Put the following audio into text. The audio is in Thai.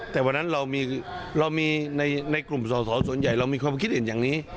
แต่วันนั้นเรามีในกลุ่มสอสอส่วนใหญ่เรามีความคิดอื่นอย่างนี้